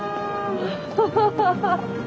ハハハハ。